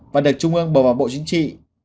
và được trung ương bầu vào bộ chính trị